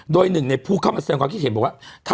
โดยหนึ่งในผู้เข้ามาแสดงความคิดเห็นบอกว่า